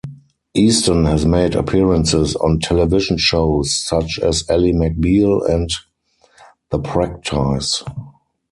Easton has made appearances on television shows such as "Ally McBeal" and "The Practice".